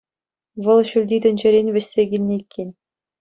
Вӑл ҫӳлти тӗнчерен вӗҫсе килнӗ иккен.